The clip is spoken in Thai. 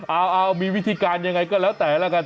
เอามีวิธีการยังไงก็แล้วแต่ละกัน